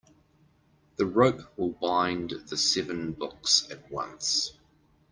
The rope will bind the seven books at once.